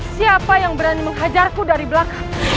siapa yang berani menghajarku dari belakang